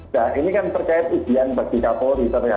nah ini kan terkait izin bagi kapolri